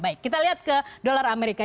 baik kita lihat ke dolar amerika